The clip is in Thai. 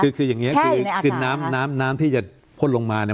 คือคืออย่างเงี้ยแช่อยู่ในอาหารค่ะคือน้ำน้ำน้ำน้ำที่จะพ่นลงมาเนี่ย